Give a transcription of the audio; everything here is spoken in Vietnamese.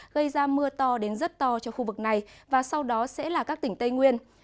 gây ra mưa to đến rất to cho khu vực này và sau đó sẽ là các tỉnh tây nguyên